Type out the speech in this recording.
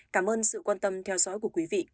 cảm ơn sự quan tâm theo dõi của quý vị